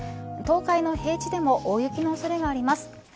東海の平地でも大雪の恐れがあります。